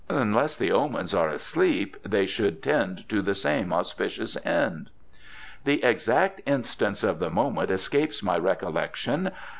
"Unless the Omens are asleep they should tend to the same auspicious end." "The exact instance of the moment escapes my recollection."